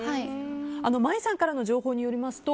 舞さんからの情報によりますと